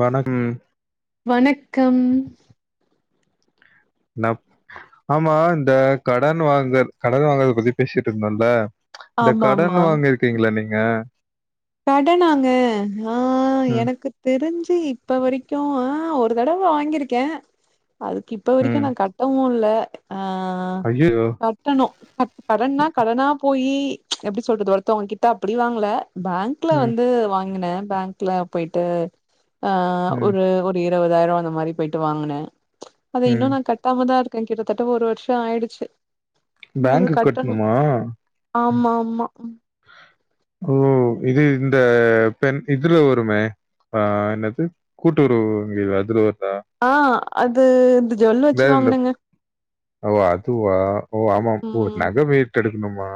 வணக்கங் வணக்கம் னப் ஆமா இந்த கடன் வாங்கத் கடன் வாங்கறத பத்தி பேசிட்ருந்தன்ல இந்த கடன் ஆமாமா. வாங்கிருக்கீங்களா நீங்க கடனாங்க ஆ ம் எனக்குத் தெரிஞ்சு இப்ப வரைக்கு அ ஒரு தடவ வாங்கிருக்கே அதுக்கு இப்ப வரைக்கு ம் நா கட்டவு இல்ல அ ஐயயோ கட்டணு [unintelligible] கடன்னா கடனா போயி எப்டி சொல்றது ஒருத்தவுங்க கிட்ட அப்டி வாங்கல பேங்க் க்ல ம் வந்து வாங்கன பேங்க்ல போய்ட்டு அ ம் ஒரு ஒர்த் இருவதாயிரோ அந்த மாரி போயிட்டு வாங்குனே ம் டாமதா இருக்கே கிட்டத்தட்ட ஒரு வருஷோ ஆயிடுச்சு ன்னது பேங்க்கு கட்டணு கட்ணுமா ஆமா ஆமா ஓ இது இந்த பெண் இதுல வருமே அ என்னது கூட்டுறவு வங்கி அதுல வருதா அ அது இந்த ஜுவல் இந்த வெச்ச இந்த வாங்கனங்க ஓ அதுவா ஓ ஆமா ஓ ம். நக வெய்ட்டெடுக்கணுமா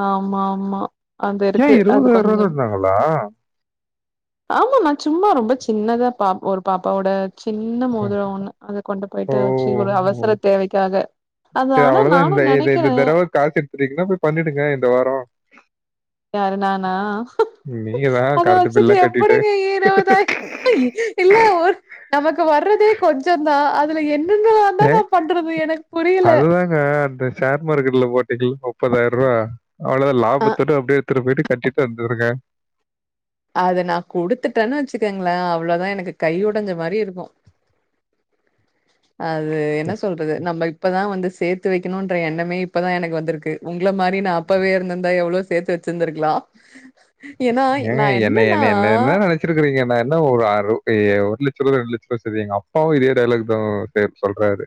ஆமாம்மா அந்தேருக்கு அது கொஞ்சம் ஹலோ ஆமாம்மா சும்மா ரொம்ப சின்னதா பாப் ஒரு பாப்பாவோட சின்ன மோதுரோ ஒண்ணு அத கொண்டு ஓ போயிட்டு வெச்சு ஒரு அவசர தேவைக்காக அது சே ஆனா அவ்வளதா இந்த நானும் இந்த நெனைக்கிறேன் தடவ காசு எடுத்துட்டீங்னா போய் பண்ணிடுங்க இந்த வாரோ யாரு நானா நீங்க தான் அத கரண்ட் வெச்சுட்டு பில்லாம் கட்டிட்டு எப்பிடிங்க இருவதாய் இல்ல ஓர் நமக்கு வர்றதே கொஞ்சந்தா அந் துல என்னென்னலாந்தா நா பண்றது எனக் புரியல அ அந்த ஷேர் மார்கெட்ல போட்டீங்கள் முப்பதாயர்ருவா அவ்ளதா அ லாபத்தோட அப்டியே எத்துட்டு பேய்ட்டு கட்டிட்டு வந்துருங்க அத நா குடுத்துட்டன்னு வெச்சுக்கங்களே அவ்ளதா எனக்கு கை ஒடஞ்ச மாரி இருக்கு அது என்ன சொல்றது நம்ப இப்பதா வந்து சேத் த்து வக்கனுன்ற எண்ணமே இப்பதா எனக்கு வந்துருக்கு உங்கள மாரி நா அப்பவே இருந்துருந்தா எவ்ளோ சேத்து வச்சிருந்திருக்கலா ஏன்னா ஏங்க என்னைய என்ன என்ன என்ன நெனச் ச்சிருக்கீறீங்க எம்ம என்னா ஒரு ஆரு ஏ ஒர் லட்சரூவா ரெண்டு லட்ச ரூவா சரி எங்க அப்பாவு இதே டைலாக் தா சேம் சொல்றாரு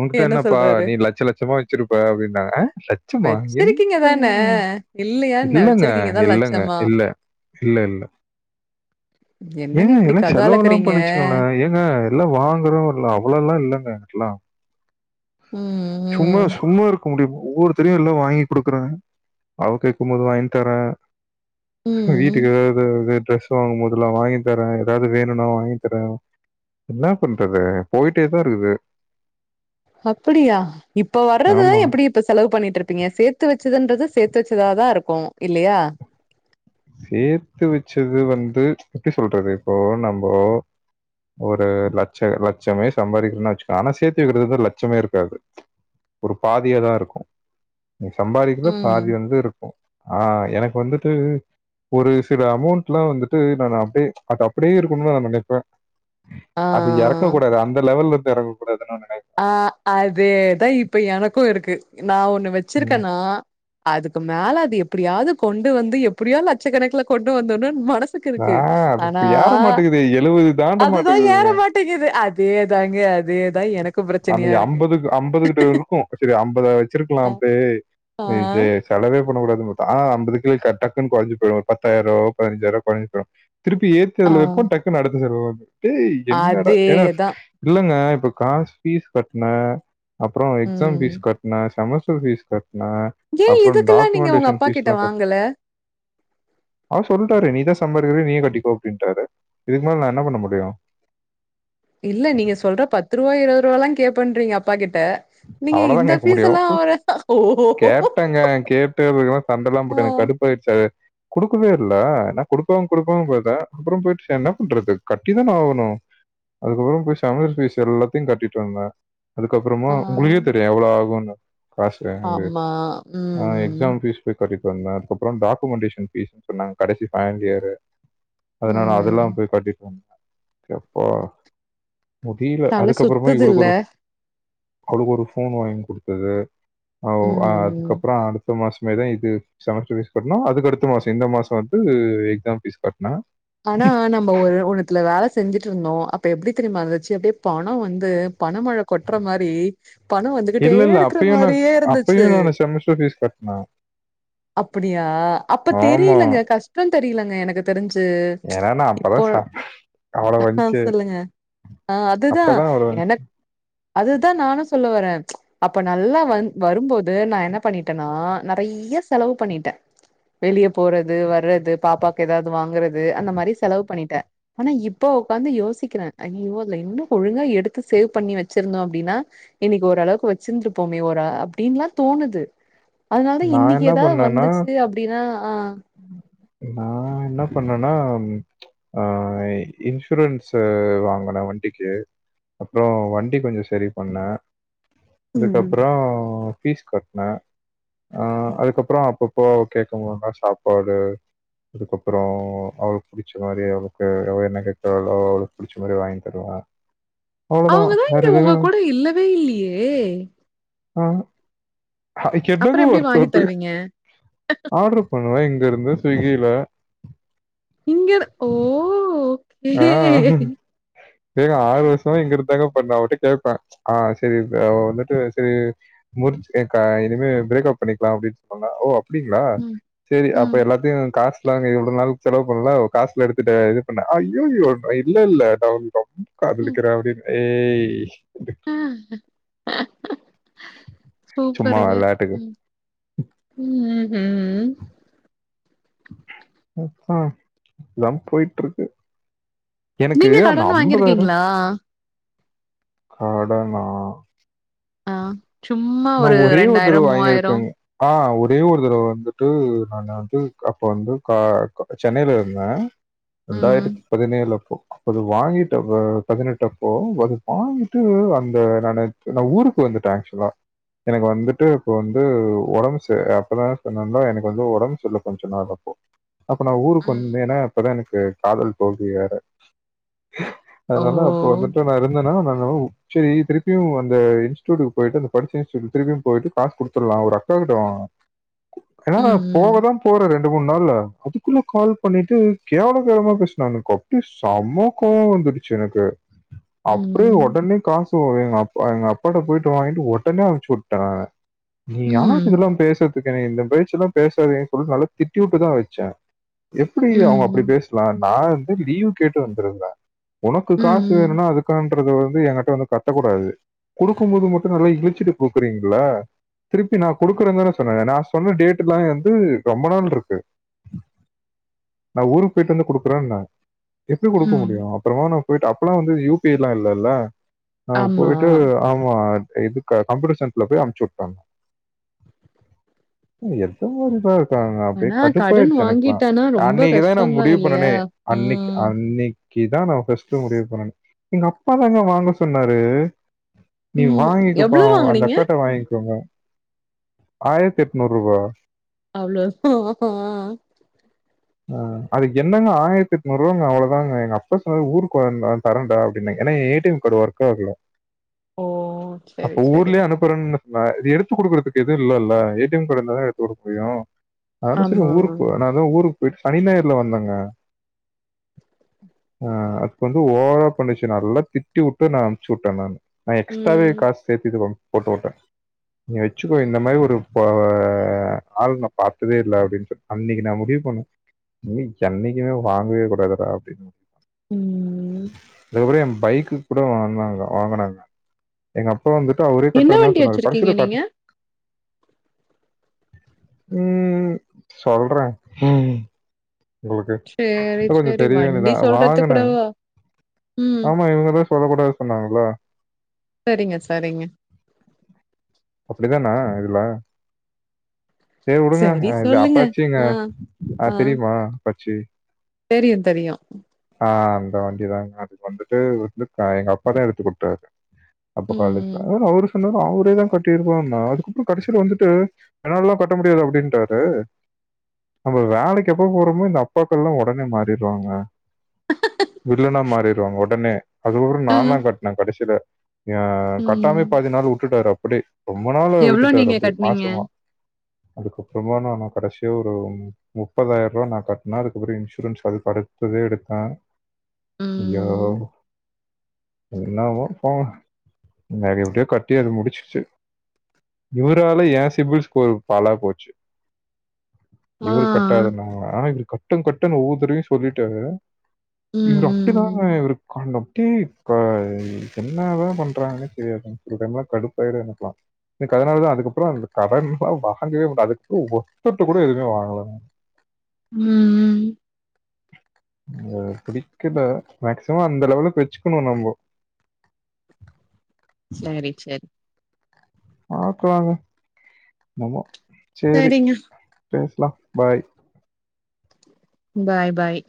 ஊங்கிட்ட என்ன என்னப்பா சொல்றாரு? நீ லட்ச லட்சமா வச்சிருப்ப அப்டின்னாங்க அ லட்சமா "வச்சிருக்கீங்க என்ன தான? இல்லையான்னேன். இல்லங்க வச்சிருக்கீங்க தான் இல்லங்க லட்சமா?" இல்ல இல்ல இல்ல என்னங்க ஏங்க இப்படி எல்லா கத செலவல்லா அளக்குறீங்க? பண்ணிச்சுங்களே ஏங்க எல்லா வாங்குறோல்ல அவ்வளோ லா இல்லங்க ஆக்சுலா ம் சும்மா ம், சும்மா இருக்க முடியுமோ ஒருத்தரையு எல்லா வாங்கி குடுக்குறங்க அவ கேக்கும்மோது வாங்கி தர ம். வீட்டுக்கு எதாவ்து இதே டிரெஸ் ஸிவாங்கும்மோதெல்லா வாங்கி தர எதாவ்து வேணுன்னா வாங்கிதர என்னாப் பண்றது பொய்ட்டே தாஇருக்குது அப்புடியா இப்ப வர்ரதுதா ஆமா. எப்புடி இப்ப செலவ் பண்ணிட்டுருப்பீங்க சேத்து வச்சதுன்றது சேத்து வச்சதாதாருக்கு இல்லயா சேத்து வச்சது வந்து எப்டிசொல்றது இப்போ நம்போ ஒரு லட்ச லட்சமே சம்பாரிக்கிறன்னா வச்சுக்கோ ஆனா சேத்து வைக்கிறதுதா லட்சமே இருக்காது ஒரு பாதியா தாஇருக்கூ நீ சம்பாதிக்கிற ம். பாதி வந்து இருக்கு அ எனக் வந்துட்டு ஒரு சில அமௌண்ட்லா வந்துட்டு நானு அப்டே அத் அப்டே இருக்கணு நா நெனைப்ப அது எறக்க ஆ. கூடாது அந்த லெவலெருந்து எறக்கூடாதுன் நா நெனை அ அதேதா இப்ப எனக்கு இருக்கு நா ஒன்னு ம். வச்சிருக்கென்னா அதுக்குமேல அது எப்புடியாது கொண்டு வந்து எப் புடியோ லட்சக்கணக்குல கொண்டு வந்தர்ணுன் மனசுக்கு ஆ, இருக்கு அது இப்ப அனா ஏற மாட்டேங்குது எழுபது தாண்ட மாட்டக்குதுங்க மாட்டேங்குது அதேதாங்க அதேதா எனக் அன்னைக்கு அம்பதுக் அம்பதுகிட்ட இருக்கூ சரி அம்பத வச்சிர்க்கலா அ அப்டே ஆ இதே செலவே பண்ணக்கூடாதுன் பாத்தா ஆ அம்பதுக்கு கிழ ச டக்குன்னு கொறஞ்சு பொயிரு ஒர் பத்தாயிரொ பதினஞ்சாயிரொ கொறஞ்சுரு திருப்பி ஆ ஏத்திஅதுல வெப்போ டக்குனு அடுத்த செலவு வந்துரு டேய் என்னடா ஏன்னா அதேதா இல்லங்க இப்ப காஸ் ஃபீஸ் கட்ன அப்ற எக்ஸாம் ம் ஃபீஸ் கட்ன செமஸ்டர் ஃபீஸ் கட்ன ஏ அப்பற இதுக்கெல்லா நீங்க உங்க டாக்குமெண்ட்டேஷன் அப்பா கிட்ட பீஸ்ல்லா கட் வாங்கல அவுர் சொல்டாரே நீ தா சம்பாரிக்கிர நீயே கட்டிக்கோ அப்டின்டாரு இதுக் மேல நா என்னா பண்ண முடியு இல்ல நீங்க சொல்ற பத்துருவா இருவதுரூவால்லா கேப்பண்றீங்க அப்பாகிட்ட அவ்ளதா கேக் முடியு ஓஹோ கேட்டங்க கேட்டு இதுக்கு லா சண்டலா போட்டு எனக்கு கடுப் போயிட்ச்சு அது குடுக்கவே இல்ல நா குடுப்பாங் குடுப்பாங் பாத்தெ அப்ற பொய்ட் நா என்னபண்றது கட்டிதான ஆவுணு அதுக்கப்பற போய் சமஸ் ஃபீஸ் எல்லாத்தியு கட்டிட்டு வந்த அதுக்கப்பறமா ஆ ஆ உங்களுக்கே தெரியு எவ்வளோ ஆகுன்னு காசு அங்கே ஆமா. ம், அ எக்ஸாம் ம், ஃபீஸ் பொய் கட்டிட்டு வந்தெ அதுக்கப்ற டாக்குமெண்டேஷன் ஃபீஸ் சொன்னாங்க கடைசி ஃபைனல் யேரு அதுனால ம். அதெல்லா போய் கட்டிட் வந் எப்போ முடில தல அதுக்கப்பறமா இவளுக் சுத்துதுல்ல. ஒரு அவளுக்கு ஒரு ஃபோன் வாங் குடுத்தது ஓ அ ம், ம். அதுக்கப்பற அடுத்த மாஸ் இனிமே தா இது செமஸ்டர் ஃபீஸ் கட்னு அதுக் அடுத்த மாசோ இந்த மாசொ வந்து எக்ஸாம் ஃபீஸ் கட்ன அனா நம்ம ஒரு ஒன்னுத்துல வேல செஞ்சிட்ருந்தோ அப்ப எப்டி தெரிய்மா இருந்துச்சு அப்டே பண வந்து பணமழ கொட்ற மாரி பண வந்துகிட்டே இல்ல, இல்ல. இருக்ற அப்பயும் நான் மாரியே இருந்துச்சு அப்பயும் நானு செமஸ்டர் ஃபீஸ் கட்னேன். அப்புடியா அப்ப ஆமா. தெரிலங்க கஷ்டந் தெரிய்லங்க எனக்கு தெரிஞ் எனா நா அப்பதா சாப் அவ்வளவு வந்துச்சு. சொல்லுங்க அ அதுதா அப்பதான் அவ்வளவு வந்துச்சு. எனக் அது தா நானு சொல்ல வர அப்ப நல்லா வந் வரும்போது நா என்னபண்ணிட்டன்னா நறையா செலவு பண்ணிட்ட வெளிய போறது வரது பாப்பாக்கு ஏதாவ்து வாங்குறது அந்த மாரி செலவு பண்ணிட்ட அனா இப்போ உக்காந்து யோசிக்கிற ஐயோ அதுல இன்னு ஒழுங்கா எடுத்து சேவ் பண்ணி வச்சிருந்தோ அப்டின்னா இன்னிக் ஓரளவுக்கு வச்சிருந்துப்போமே ஒரு அப்டீன்லா தோணுது அதுனால்தா நான் இன்னிக்கு என்ன எதாவ்து வந்துச்சு அப்டின்னா அ நா என்னப் பண்ணன்னா அ இன்சூரன்ஸு வாங்குன வண்டிக்கு அப்றோ வண்டி கொஞ்சோ செரி பண்ணே ம் அதுக்கப்றொ ஃபீஸ் கட்ன அ அதுக்கப்ற அப்பப்ப கேக்கம்போதா சாப்பாடு அதுக்கப்ற அவள்க் பிடிச்ச மாரி அவள்க்கு எவ் என்ன கேக்றாளோ அவளுக் புடிச்ச மாரி வாங்கி தருவ [inaudible] அவுங்கதா இங்க ஒங்க கூட இல்லவே இல்லியே அ ஹ அப்புறோ அக்கென்னங்க எப்டி வாங்கி வருத்தப்பு தருவீங்க ஆர்டரு பண்ணுவே இங்க இருந்து ஸ்விகில இங்கஇரு ஓ ஓகே ஆ ஏங்க ஆறு வருஷ்மா இங்க இருதாங்க பன்ன அவட்ட கேப்ப அ சரி இப்ப வந்துட்டு சரி முர்ச் யக்கா இனிமே பிரேக்கப் பண்ணிக்லா அப்டின் சொண்ணா ஓ அப்டிங்ளா ம் சேரி அப்ப ம் எல்லாத்தியு காஸ்லாம்ங் இவ்வளொ நாள் செலவ் பண்ணல காஸ்ல எடுத்துட்டு இது பண்ண ஐயோயோ இல்ல இல்ல நா உங்க [inaudible] ம் காதலிக்கிறே அப்டின் ஏய் [unintelligible] சும்மா சூப்பருங்க விளையாட்டுக்கு உம் உம்ஹிம் அப்பா இதாம் போயிட்ருக்கு எனக்கு நீங்க அந்த கடன் அம்பதாயிர்வாக் வாங்கிருக்கீங்களா அடனா அ சும்மா ஒரு ரெண்டாயிர மூவாயிரொ அ ஒரே ஒரு தரவ வந்துட்டு நா வந்து அப்ப வந்து கா சென்னைல இருந்த ம் ரெண்டாயிரத்தி பதினேழப்போ அது வாங்கிட்டப்ப பதினெட்டப்போ வகுப்பான்ட்டு அந்த நானு நா ஊருக்கு வந்துட்ட அக்சுலா எனக் வந்துட்டு இப்போ வந்து ஒடம் ச அப்பதா சொன்னனா எனக்கு வந்து ஒடம்பு சர்ல கொஞ்சொ நாள் அப்பொ அப்ப நா ஊருக்கு ம் வந்தேனா அப்பதா எனக்கு காதல் தோல்வி வேற ஓ அதுனால அப்ப வந்துட்டு நா இருந்தனா நாங்கவ் செரி திருப்பியு அந்த இன்ஸ்டுட்டுக் பொய்ட்டு அந் படிச்சுட்டு திருப்பியு பொய்ட்டு காசு குடுத்துல்லா ஒரு அக்கா கிட்ட வா என்னா ம் போகதாம் போற ரெண்டு மூண் நாள்ள அதுக்குள்ள கால் பண்ணிட்டு கேவல கேவளமா பேஸ்னாங்க கோ க்கு செம்ம கோவவந்துடுச்சு எனக்கு ம் அப்டே ம் ஒடனே காசு எங்க அப்பா எங்க அப்பாட்ட போய்ட்டு வாங்கிட்டு ஒட் உடனே அனுச்சூ விட்டா நீ யார் ம் இதெல்லா பேசற்து இதுக்கொன இந்த பெச்செல்லா பேசாதீங்கன்னு நல்லா திட்டிவுட்டு தா வச்சே எப்டி அவுங் அப்டி ம் பேசலா நா வந்து லீவ் கேட்டு வந்திருந்தே உனக்கு காசு ம் வேணுன்னா அதுக்கன்றத வந்து எங்கிட்ட வந்து கத்தக்கூடாது குடுக்கூ போது மட்டூ நல்லா இளிச் ச்சுட்டு கூப்புட்றீங்கள திருப்பி நா கொடுக்குறே தானே சொன்னே நா சொன்ன டேட்ல்லா வந்து ரொம்ப நாள் இருக்கு நா ஊருக்கு போய்ட்டு வந்து குடுக்குறேன்னே எப்டி கொடுக்க ம். முடியூ அப்றமா நா போய்ட்டு அப்பல்லா வந்து யூ பி அய்லா இல்லல்ல நா ஆமா போய்ட்டு ஆமா அத் இது க கம்யூட்டர் சென்டர்ல போய் அனுச்சுட்டே ஏ எந்த மாரிதா க்காங்க அப்டியே ஆனா கடன் கட்டுப்பாயிடுச்சு எனக்கலா வாங்கிட்டனா ரொம்ப அன்னிக்குதா நா கஷ்டந்தா முடிவு இல்லையா பண்ணனே அன்னிக்கு ம் அன்னிக் தி தா நா ஃபஸ்ட் முடிவு பண்ணனே எங்க அப்பாதாங்க வாங்க சொன்னாரு நீ ம் வாங்கிக்குப்பா எவ்ளோ அவங்க அந்த வாங்குனீங்க அக்காட்ட வாங்கிக்கோங்க ஆயிரத்தி எட்நூறுபா அவ்ளோ தா ஆ ஆ அது என்னங்க ஆயிரத்தி எட்நூறு ரூவாங்க அவ்ளதாங்க எங்க அப்பா சொன்னாரு ஊருக்கு வரோன்டா தரண்டா அப்டின்னெ ஏன்னா எ ஏடி எம் கார்டு ஒர்க் ஆகல ஓ அப்ப செரி செரி ஊர்லயே அனுப்புறன்னு சொன்னாங் இது எடுத்துக்டுறதுக்கு எதுவ் இல்லல்ல ஏ டி எம் கார்டு இருந்தா தான எடுத்து கொடுக்க முடியூ அதாட சரி ஆமா ஊருக்கு நா அதா ஊருக்கு போயிட்டு சனி ஞாயர்ல வந்தேங்க ஆ அதுக்கு வந்து ஓவ்ரா பண்ணிச்சு நல்லா திட்டி வுட்டு நா அன்ப்ச்சு விட்டே நானு நா எக்ஸ்ட்ராாவே ம் காசு சேர்த்தி இது போட்டு உட்டே நீங்க வச்சுக்கோ இந்த மாதிரி ஒரு ப ஆள் நா பார்த்ததே இல்ல அப்டின் சொல்லி அன்னிக்கு நா முடிவு பண்ணோ இனி என்னைக்குமே வாங்கவே கூடாதுடா அப்டின்னு ம் அதுக்கப்ற ஏ பைக்கு கூட வாந்தாங்க வாங்கனாங்க எங்கப் அப்பா வந்துட்டு அவரே என்ன கட்டுறன்தா வண்டி சொன்னாரு வச்சிருக்கீங்க கடைசுல கட் நீங்க ம் சொல்றே ம் உங்களுக்கு சேரி செல்லுங்க சேரி பெரியவங்க நீங்க வண்டி தா சொல்றது வாங்குனே கூடவா ம் ஆமா இவங்க தா சொல்ல கூடாத் சொன்னாங்கல்ல சரிங்க சரிங்க அப்டி தானா இதுல செரி விடுங்க சரி இது சொல்லுங்க. அப்பாச்சிங்க ஆ, அத் தெரியுமா அப்பாச்சி தெரியூ தெரியூ ஆ அந்த வண்டிதாங்க அது வந்துட்டு வந்து எங்க அப்பா தா எடுத்து குடுத்தாரு அப்ப காலேஜ்ல ம். மொதல்ல அவரு சொன்னாரு அவரே தா கட்டிருவ்னோ அதுக்கப்றோ கடைசில வந்துட்டு என்னாலல்லா கட்ட முடியாது அப்டின்டாரு நம்ம வேலைக்கு எப்ப போறமோ இந்த அப்பாக்கல்லா உடனே மாறிடுவாங்க வில்லனா மாறிடுவாங்க உடனே அதுக்கப்ற நா ஆ, தா கட்னே கடசில அ கட்டாமே ம். பாதி நாள் வுட்டுட்டாரு அப்டியே ரொம்ப நாள் அ எவ்ளோ விட்டுட்டாரு நீங்க அப்டெ கட்னீங்க? மாசமா அதுக்கப்றமா நானு கடைசியா ஒரு முப்பதாயிரூபா நா கட்னே அதுகப்றோ இன்சூரன்ஸ் அது கரெக்ட் எதோ எடுப்பெ ம். அய்யோவ் என்னவோ போங்க நக எப்டியோ கட்டி அது முடிச்சிச்சு இவரால ஏன் சிபிள் ஸ்கோர் பாலா போச்சு ஆ. இவரு கட்டாதுன்னால இவருங் கட்டுங் கட்டுன்னு ஒவ்வொரு தடவையூ சொல்லிட்டாரு ம், இவரு அப்டிதாங்க ம், இவரு காண்டம் டிஃப்க்க என்னதா பண்றாங்கன்னே தெரியாதுங்க சில டைம்லா கடுப்பாயிடும் எனக்கல்லா எனக்கு அதனால தா அதுக்கப்றோ இந்த கடன்லா வாங்கவே கூடாது அதுக்கு ஒர்த்தர்ட்ட கூட எதுமே வாங்கல உம் ம் புடிக்கல மேக்சிமம் அந்த லெவலுக்கு வச்சுக்கணு நம்போ ஸ்லேரி சேரி பாக்கலாங்க நம்மோ சேரி சரிங்க. பேசலா பாய் பாய் பாய்